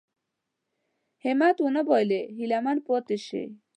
همت ونه بايلي هيله من پاتې شي.